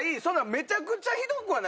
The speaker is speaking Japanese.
めちゃくちゃひどくはないよ。